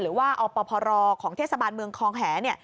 หรือว่าอพรของเทศบาลเมืองคอง